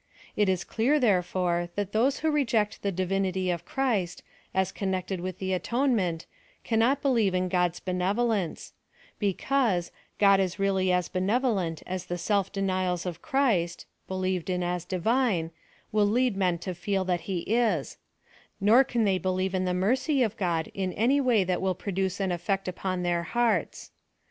It is clear, therefore, that those who reject the divinity of Christ, as connected with the atone ment, camiot believe in God's benevolence ; be cause, God is really as benevolent as the self denials of Christ (believed in as divine) will lead men to feel that he is : nor can they believe in the mercy of God in any way that wili produce an effect upon their hearts.